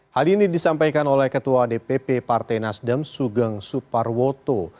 hal ini disampaikan oleh ketua dpp partai nasdem sugeng suparwoto